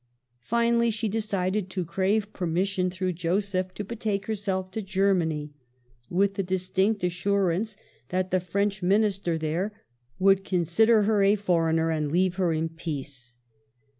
Finally, she decided to crave permission through Joseph to betake herself to Germany, with the distinct assurance that the FrencH Minister there would consider her a foreigner and leave her in peace.